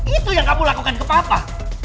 itu yang kamu lakukan ke papa